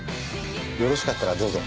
よろしかったらどうぞ。